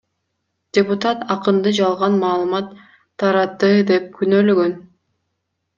Депутат акынды жалган маалымат таратты деп күнөөлөгөн.